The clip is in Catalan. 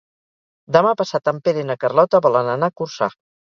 Demà passat en Pere i na Carlota volen anar a Corçà.